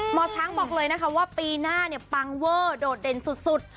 หมอชังบอกเลยว่าปีหน้าปังเวอร์โดดเด่นสุดสุด